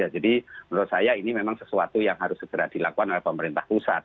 jadi menurut saya ini memang sesuatu yang harus segera dilakukan oleh pemerintah pusat